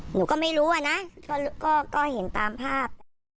หนูก็ไม่รู้อะนะก็เห็นตามภาพ